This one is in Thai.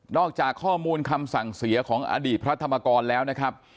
อกจากข้อมูลคำสั่งเสียของอดีตพระธรรมกรแล้วนะครับ